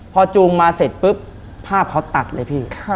พอจูงมาเสร็จปุ๊บภาพเขาตัดเลยพี่